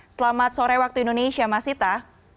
selamat sore waktu indonesia mas sita